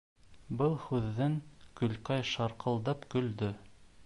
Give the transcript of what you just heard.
Был һүҙҙән Гөлкәй шарҡылдап көлдө.